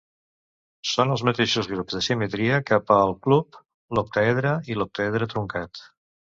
Són els mateixos grups de simetria que pel cub, l'octàedre, i l'octàedre truncat.